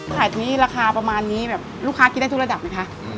แล้วขายที่นี่ราคาประมาณนี้ลูกค้าได้กินทุกระดับนะคะ